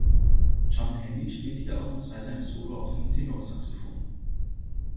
John Handy spielt hier ausnahmsweise ein Solo auf dem Tenorsaxophon.